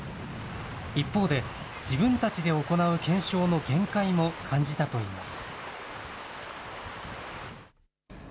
一方で、自分たちで行う検証の限界も感じたといいます。